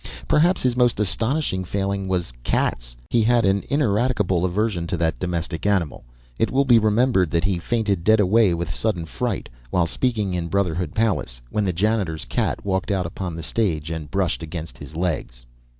Perhaps his most astonishing failing was cats. He had an ineradicable aversion to that domestic animal. It will be remembered that he fainted dead away with sudden fright, while speaking in Brotherhood Palace, when the janitor's cat walked out upon the stage and brushed against his legs.